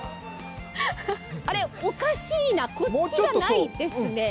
あれ、おかしいな、こっちじゃないですね。